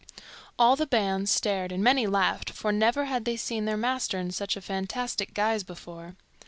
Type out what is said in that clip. All the band stared and many laughed, for never had they seen their master in such a fantastic guise before.